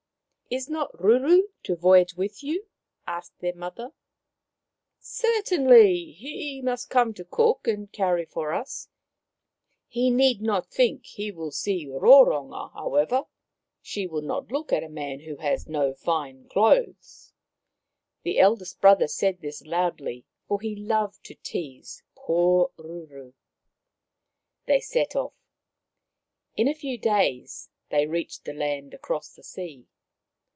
" Is not Ruru to voyage with you ?" asked their mother. " Certainly. He must come to cook and carry for us. He need not think he will see Roronga, however. She would not look at a man who has no fine clothes." The eldest brother said this loudly, for he loved to tease poor Ruru. They set off. In a few days they reached the land across the sea.